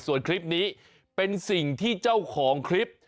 ส่วนคลิปนี้เป็นสิ่งที่เจ้าของคลิป